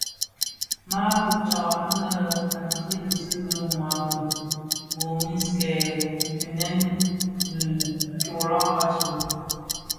Ma fitsa anë a dhi bisi bi ňwari tibomis nken kimèn dhi toilag asu,